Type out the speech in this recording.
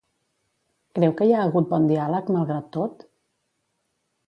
Creu que hi ha hagut bon diàleg, malgrat tot?